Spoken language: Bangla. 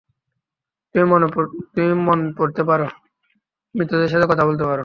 তুমি মন পড়তে পারো, মৃতদের সাথে কথা বলতে পারো।